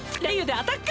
アタック！